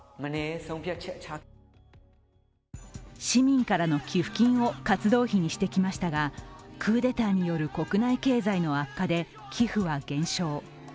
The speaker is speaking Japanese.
市民からの寄付金を活動費にしてきましたが、クーデターによる国内経済の悪化で寄付は減少。